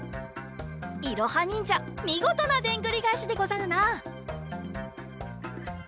いろはにんじゃみごとなでんぐりがえしでござるな！